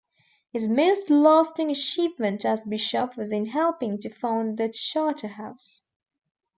His most lasting achievement as bishop was in helping to found the Charterhouse.